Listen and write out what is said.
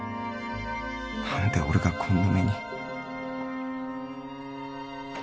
何で俺がこんな目に